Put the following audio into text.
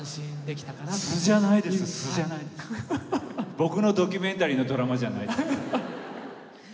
僕のドキュメンタリーのドラマじゃない。